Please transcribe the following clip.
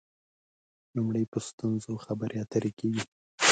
لومړی په ستونزو خبرې اترې کېږي.